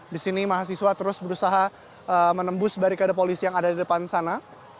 di sini mahasiswa terus berusaha menembus barikade polisi yang ada di depan sana